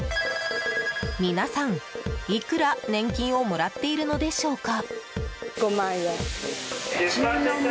皆さん、いくら年金をもらっているのでしょうか？